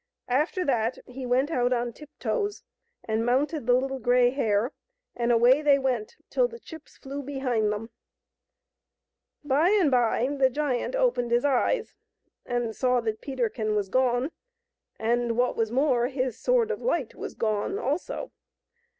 After that he went out on tiptoes and mounted the Little Grey Hare, and away they went till the chips flew behind them. By and by the giant opened his eyes and saw that Peterkin was gone, and, what was more, his Sword of Light was gone also.